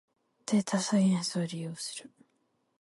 データサイエンスを利用する